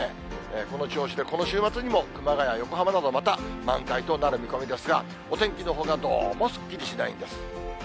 この調子で、この週末にも、熊谷、横浜などまた満開となる見込みですが、お天気のほうはどうもすっきりしないんです。